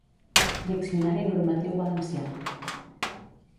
Diccionari normatiu valencià.